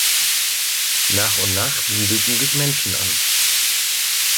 Nach und nach siedelten sich Menschen an.